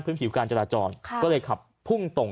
ผิวการจราจรก็เลยขับพุ่งตรง